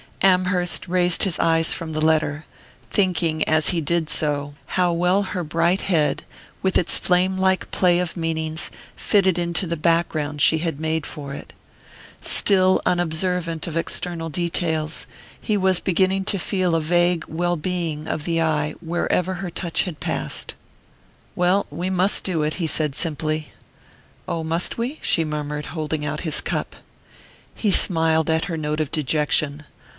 Amherst raised his eyes from the letter, thinking as he did so how well her bright head, with its flame like play of meanings, fitted into the background she had made for it. Still unobservant of external details, he was beginning to feel a vague well being of the eye wherever her touch had passed. "Well, we must do it," he said simply. "Oh, must we?" she murmured, holding out his cup. He smiled at her note of dejection.